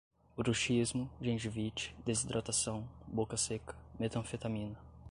bruxismo, gengivite, desidratação, boca seca, metanfetamina